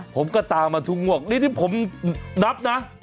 ผมก็ตามมาทุกงวดนี่ที่ผมนับนะ